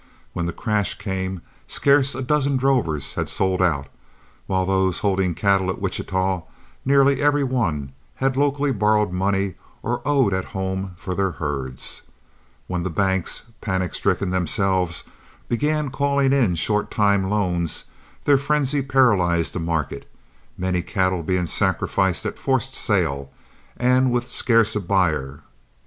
When the crash came, scarce a dozen drovers had sold out, while of those holding cattle at Wichita nearly every one had locally borrowed money or owed at home for their herds. When the banks, panic stricken themselves, began calling in short time loans, their frenzy paralyzed the market, many cattle being sacrificed at forced sale and with scarce a buyer.